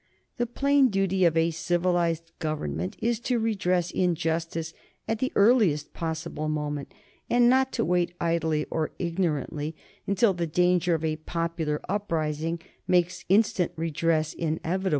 The plain duty of a civilized government is to redress injustice at the earliest possible moment, and not to wait idly or ignorantly until the danger of a popular uprising makes instant redress inevitable.